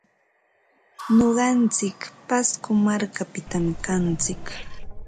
Nuqantsik pasco markapitam kantsik.